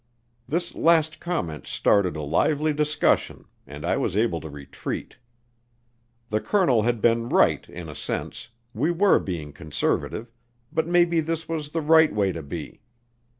This last comment started a lively discussion, and I was able to retreat. The colonel had been right in a sense we were being conservative, but maybe this was the right way to be.